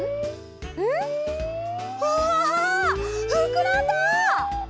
うわふくらんだ！